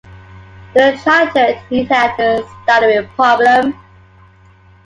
During childhood, he had a stuttering problem.